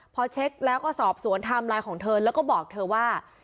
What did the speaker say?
พอเช็คแล้วก็สอบสวนไทม์ไลน์ของเธอแล้วก็บอกเธอว่า